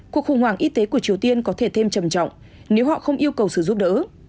cuộc khủng hoảng y tế của triều tiên có thể thêm trầm trọng nếu họ không yêu cầu sự giúp đỡ